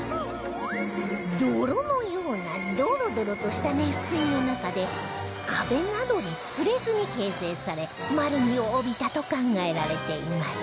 泥のようなドロドロとした熱水の中で壁などに触れずに形成され丸みを帯びたと考えられています